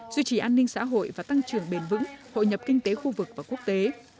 duy trì an ninh xã hội và tăng trưởng bền vững hội nhập kinh tế khu vực và quốc tế